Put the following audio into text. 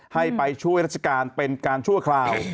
ให้ไปช่วยราชการเป็นการชั่วคราว